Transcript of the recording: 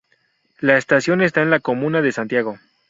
La estación está en la comuna de Santiago.